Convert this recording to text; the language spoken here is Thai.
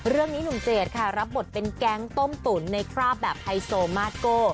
เรื่องนี้หนุ่มเจดค่ะรับบทเป็นแก๊งต้มตุ๋นในคราบแบบไฮโซมาสโก้